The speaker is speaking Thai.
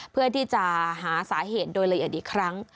เพื่อที่จะหาสาเหตุโดยละเอียดอีกครั้ง